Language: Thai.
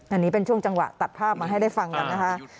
อันนี้เป็นช่วงจังหวะตัดภาพมาให้ได้ฟังกันนะคะ